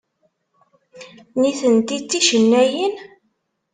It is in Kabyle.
Nitenti d ticennayin?